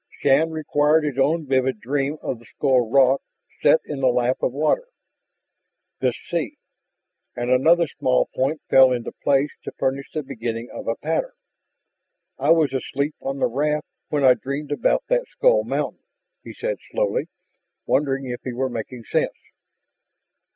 Shann recalled his own vivid dream of the skull rock set in the lap of water this sea? And another small point fell into place to furnish the beginning of a pattern. "I was asleep on the raft when I dreamed about that skullmountain," he said slowly, wondering if he were making sense.